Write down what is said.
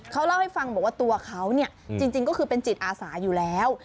เขาเล่าให้ฟังบอกว่าตัวเขาเนี่ยจริงก็คือเป็นจิตอาสาอยู่แล้ว